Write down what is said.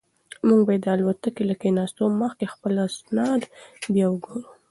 موږ باید د الوتکې له کښېناستو مخکې خپل اسناد بیا وګورو.